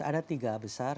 ada tiga besar